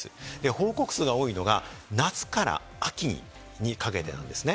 報告数が多いのが夏から秋にかけてなんですね。